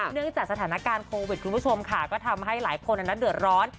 เนื่องจากสถานการณ์โควิดคุณผู้ชมค่ะก็ทำให้หลายคนนั้นเดือดร้อน